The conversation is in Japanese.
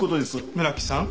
村木さん。